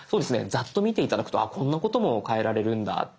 ざっと見て頂くとこんなことも変えられるんだって。